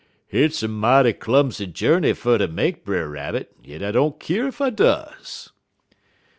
"'Hit's a mighty clumsy journey fer ter make, Brer Rabbit, yit I don't keer ef I does.'